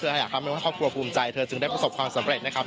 อยากทำให้ว่าครอบครัวภูมิใจเธอจึงได้ประสบความสำเร็จนะครับ